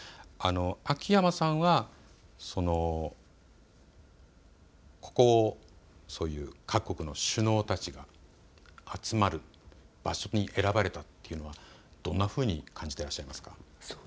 秋山さんはここを各国の首脳たちが集まる場所に選ばれたというのはどんなふうに感じていらっしゃいますか。